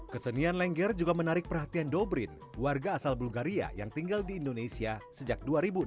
kesenian lengger juga menarik perhatian dobrin warga asal blugaria yang tinggal di indonesia sejak dua ribu enam belas